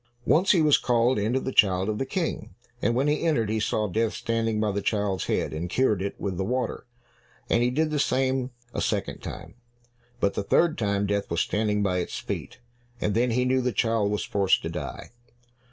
Once he was called in to the child of the King, and when he entered, he saw death standing by the child's head and cured it with the water, and he did the same a second time, but the third time Death was standing by its feet, and then he knew the child was forced to die.